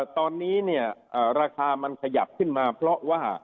ตอนนี้เนี่ยราคามันขยับขึ้นมาเพราะว่า